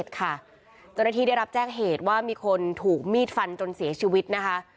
เจ้าหน้าที่ได้รับแจ้งเหตุว่ามีคนถูกมีดฟันจนเสียชีวิตนะคะ